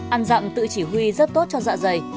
ăn dặm tự chỉ huy rất tốt cho dạ dày